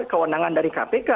keundangan dari kpk